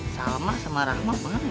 salma sama rahma banget ya